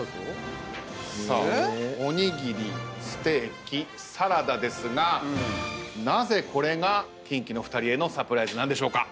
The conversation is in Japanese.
さあおにぎりステーキサラダですがなぜこれがキンキの２人へのサプライズなんでしょうか？